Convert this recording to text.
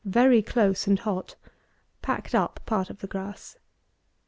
Very close and hot. _Packed up part of the grass.